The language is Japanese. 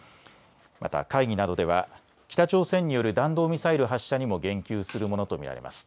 また会議などでは北朝鮮による弾道ミサイル発射にも言及するものと見られます。